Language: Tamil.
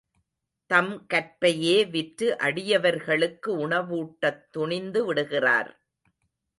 தம் கற்பையே விற்று அடியவர்களுக்கு உணவூட்டத் துணிந்து விடுகிறார்.